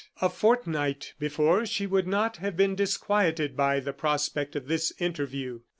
A fortnight before she would not have been disquieted by the prospect of this interview.